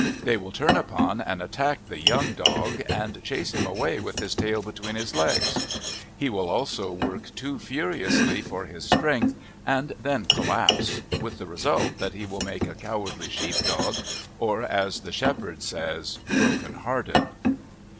They will turn upon and attack the young dog, and chase him away with his tail between his legs. He will also work too furiously for his strength and then collapse, with the result that he will make a cowardly sheep dog, or, as the shepherds say, "brokenhearted."